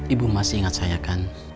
ibu masih ingat saya kan